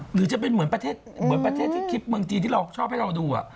หรือจะเป็นเหมือนประเทศที่คลิปเมืองจีนที่เราชอบให้เราดู